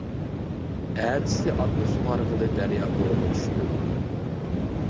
ئەتىسى ئاتنى سۇغارغىلى دەريا بويىغا چۈشتۈم.